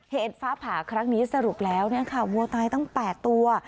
เหตุฟ้าผ่าครั้งนี้สรุปแล้ววัวตายตั้ง๘ตัว